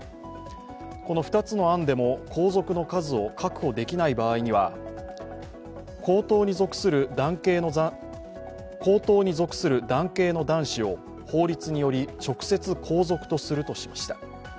この２つの案でも皇族の数を確保できない場合には皇統に属する男系の男子を法律により直接皇族とするとしました。